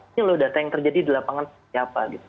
ini loh data yang terjadi di lapangan seperti apa gitu